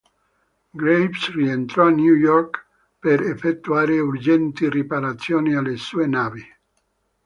Graves rientrò a New York per effettuare urgenti riparazioni alle sue navi.